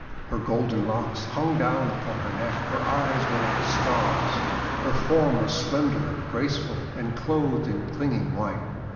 Her golden locks hung down upon her neck, her eyes were like stars, her form was slender and graceful and clothed in clinging white.